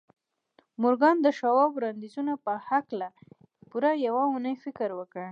مورګان د شواب د وړانديزونو په هکله پوره يوه اونۍ فکر وکړ.